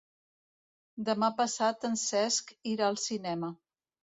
Demà passat en Cesc irà al cinema.